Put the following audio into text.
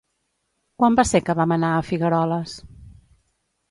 Quan va ser que vam anar a Figueroles?